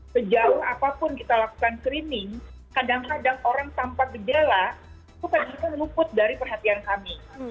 sejauh apapun kita lakukan screening kadang kadang orang tampak berjala itu kadang kadang luput dari perhatian kami